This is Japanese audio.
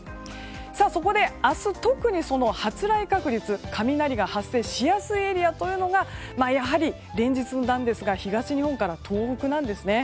そこで明日、特にその発雷確率雷が発生しやすいエリアがやはり、連日になりますが東日本から東北なんですね。